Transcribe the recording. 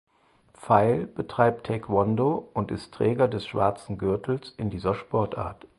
Pfeil betreibt Taekwondo und ist Träger des Schwarzen Gürtels in dieser Sportart.